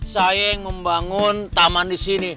saya yang membangun taman disini